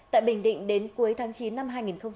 tại bình định đến cuối tháng chín năm hai nghìn một mươi chín